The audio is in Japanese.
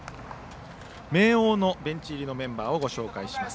明桜のベンチ入りのメンバーをご紹介します。